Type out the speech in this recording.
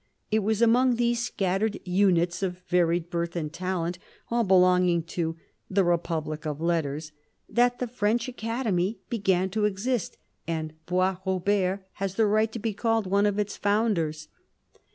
It was among these scattered units of varied birth and talent, all belonging to " the republic of letters," that the French Academy began to exist, and Boisrobert has the right to be called one of its founders.